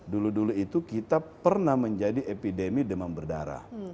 dulu dulu itu kita pernah menjadi epidemi demam berdarah